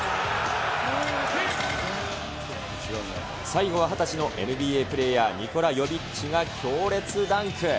最後は２０歳のＮＢＡプレーヤー、ニコラ・ヨビッチが強烈ダンク。